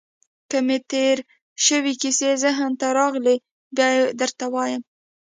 که مې تېرې شوې کیسې ذهن ته راغلې، بیا يې درته وایم.